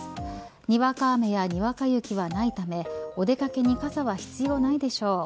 にわか雨やにわか雪はないためお出掛けに傘は必要ないでしょう。